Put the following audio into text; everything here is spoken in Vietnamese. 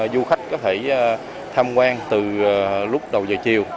du khách có thể tham quan từ lúc đầu giờ chiều